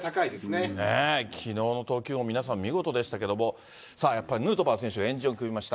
きのうの投球も皆さん見事でしたけど、やっぱりヌートバー選手が円陣を組みました。